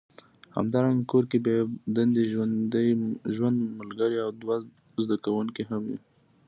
همدارنګه کور کې بې دندې ژوند ملګری او دوه زده کوونکي هم وي